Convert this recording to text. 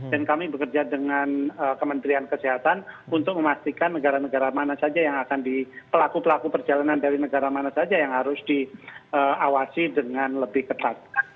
dan kami bekerja dengan kementerian kesehatan untuk memastikan negara negara mana saja yang akan di pelaku pelaku perjalanan dari negara mana saja yang harus diawasi dengan lebih ketat